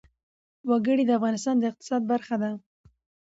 وګړي د افغانستان د اقتصاد برخه ده.